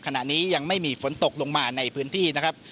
ขณะนี้ยังไม่มีฝนตกลงมาในพื้นที่นะครับ